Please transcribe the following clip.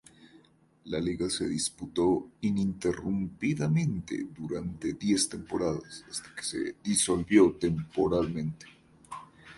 La liga se disputó ininterrumpidamente durante diez temporadas hasta que se disolvió temporalmente.